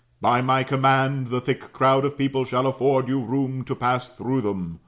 By my command, the thick crowd of people shall afford you room to pass through them.